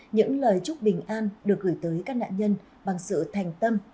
những lời chúc bình an được gửi tới các nạn nhân bằng sự thành tâm